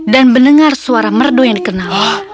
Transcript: dan mendengar suara merdu yang dikenal